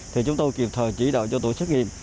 thì chúng tôi kịp thời chỉ đạo cho tổ xét nghiệm